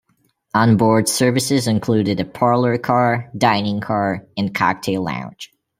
On-board services included a parlor car, dining car, and cocktail lounge.